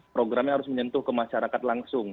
programnya harus menyentuh ke masyarakat langsung